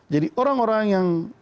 jadi orang orang yang